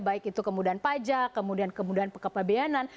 baik itu kemudahan pajak kemudahan kepabeyanan